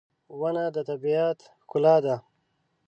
• ونه د طبیعت ښکلا ده.